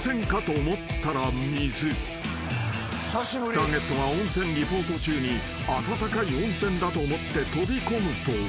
［ターゲットが温泉リポート中に温かい温泉だと思って飛び込むと］